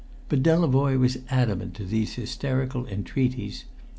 But Delavoye was adamant to these hysterical entreaties.